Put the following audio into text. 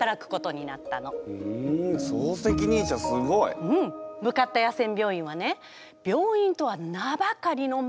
ふん総責任者すごい！向かった野戦病院はね